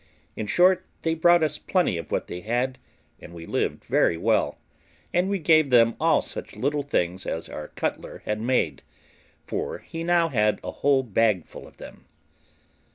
In short, they brought us plenty of what they had, and we lived very well, and we gave them all such little things as our cutler had made, for he had now a whole bag full of them.